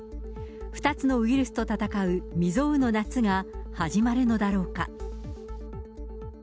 ２つのウイルスと闘う未曽有の夏が始まるのだろうか。